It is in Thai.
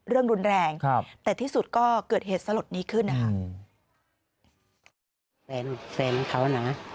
เรื่องรุนแรงครับแต่ที่สุดก็เกิดเหตุสลดนี้ขึ้นนะแฟนเขานะ